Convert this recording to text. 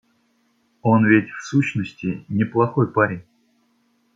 Он ведь, в сущности, неплохой парень.